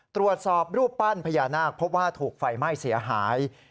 ตรวจสอบรูปปั้นพญานาคพบว่าถูกไฟไหม้เสียหาย